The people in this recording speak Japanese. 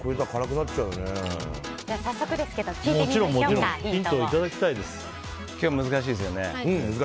早速ですけど聞いてみましょうか。